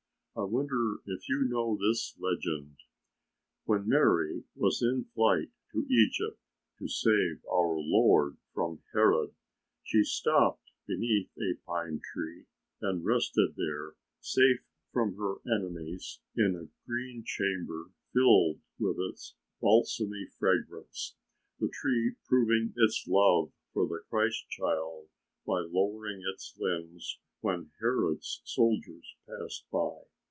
I wonder if you know this legend? When Mary was in flight to Egypt to save our Lord from Herod, she stopped beneath a pine tree and rested there safe from her enemies in a green chamber filled with its balsamy fragrance, the tree proving its love for the Christ Child by lowering its limbs when Herod's soldiers passed by.